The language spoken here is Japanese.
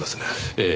ええ。